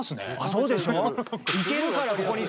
そうでしょ。